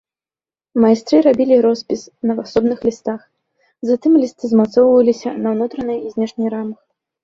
Майстры рабілі роспіс на асобных лістах, затым лісты змацоўваліся на ўнутранай і знешняй рамах.